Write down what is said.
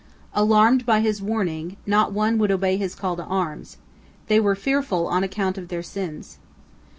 Alarmed by his warning, not one would obey his call to arms, they were fearful on account of their sins.